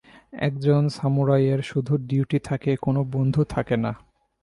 একজন সামুরাইয়ের শুধু ডিউটি থাকে, কোন বন্ধু থাকে না।